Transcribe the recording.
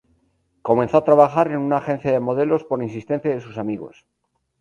Comenzó a trabajar en una agencia de modelos por insistencia de sus amigos.